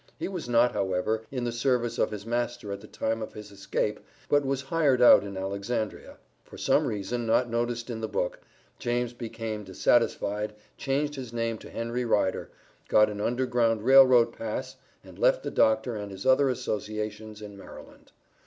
He was not, however, in the service of his master at the time of his escape but was hired out in Alexandria. For some reason, not noticed in the book, James became dissatisfied, changed his name to Henry Rider, got an Underground Rail Road pass and left the Dr. and his other associations in Maryland.